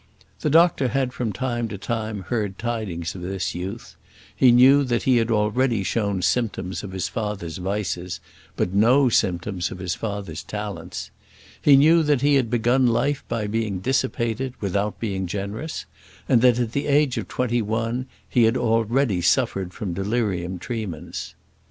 The doctor had from time to time heard tidings of this youth; he knew that he had already shown symptoms of his father's vices, but no symptoms of his father's talents; he knew that he had begun life by being dissipated, without being generous; and that at the age of twenty one he had already suffered from delirium tremens.